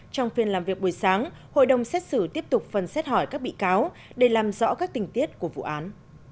trong phiên làm việc buổi sáng hội đồng xét xử tiếp tục phần xét hỏi các bị cáo để làm rõ các tình tiết của vụ án